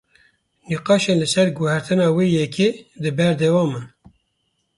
Nîqaşên li ser guhertina wê yekê di berdewamin.